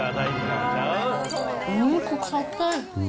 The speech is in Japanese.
お肉硬い。